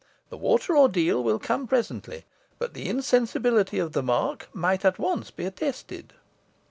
The water ordeal will come presently, but the insensibility of the mark might be at once attested."